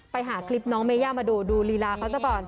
ไปหาคลิปน้องเมย่ามาดูดูลีลาเขาซะก่อน